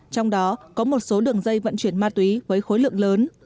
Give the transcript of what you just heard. trong đó có một số đường dây vận chuyển ma túy với khối lượng lớn